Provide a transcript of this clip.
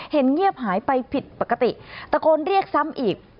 เงียบหายไปผิดปกติตะโกนเรียกซ้ำอีก